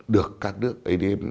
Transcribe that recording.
được các nước adm